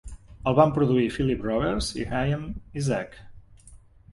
El van produir Philip Roberts i Graeme Isaac.